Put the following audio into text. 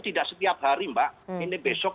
tidak setiap hari mbak ini besok